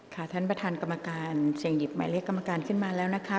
ท่านประธานกรรมการเสี่ยงหยิบหมายเลขกรรมการขึ้นมาแล้วนะคะ